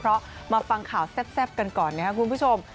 เพราะมาฟังข่าวแทบกันก่อนคุณผู้ชม